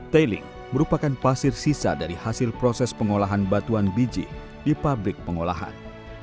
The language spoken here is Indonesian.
tailing merupakan pasir sisa dari hasil proses pengolahan batuan biji di pabrik pengolahan